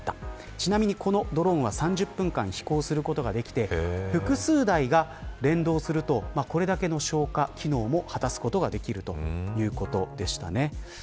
ちなみにこのドローンは３０分間飛行することができて複数台が連動するとこれだけの消火機能も果たすことができるということでした。